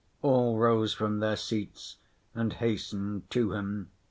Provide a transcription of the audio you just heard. All rose from their seats and hastened to him.